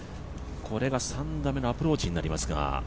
これが３打目のアプローチになりますが。